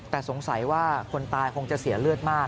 แต่สงสัยว่าคนตายคงจะเสียเลือดมาก